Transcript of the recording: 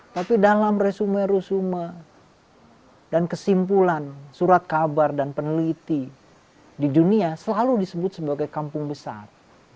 tapi dalam resume resume dan kesimpulan surat kabar dan peneliti di dunia selalu disebut sebagai kampung besar